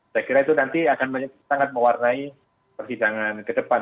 saya kira itu nanti akan sangat mewarnai persidangan ke depan